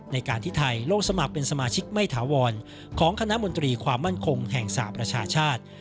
ในการที่ไทยลงสมัครเป็นสมาชิกไม่ถาวรของคณะมนตรีความมั่นคงแห่งสหประชาชาติ